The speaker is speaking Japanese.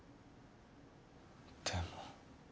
でも。